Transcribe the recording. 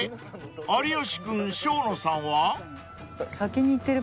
有吉君生野さんは？］